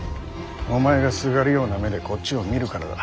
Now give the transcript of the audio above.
お前がすがるような目でこっちを見るからだ。